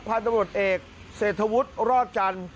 พันธุรกิจเอกเสธวุฒิราชรอดจันทร์